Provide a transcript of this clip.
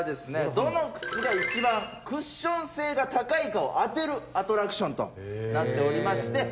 どの靴が一番クッション性が高いかを当てるアトラクションとなっておりまして。